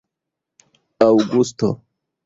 aŭgusto